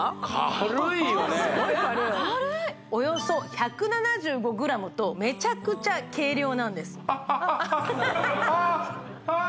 軽いおよそ１７５ｇとめちゃくちゃ軽量なんです